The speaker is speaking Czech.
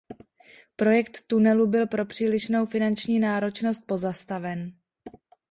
Projekt tunelu byl pro přílišnou finanční náročnost pozastaven.